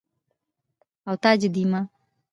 او تاج يي ديما